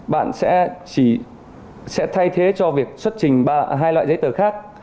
bạn sẽ thay thế cho việc xuất trình hai loại giấy tờ khác